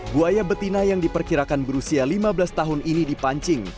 buaya betina yang diperkirakan berusia lima belas tahun ini dipancing